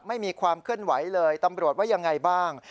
ไม่มีความเคลื่อนไหวเลยตำรวจว่ายังไงบ้าง